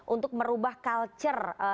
untuk merubah culture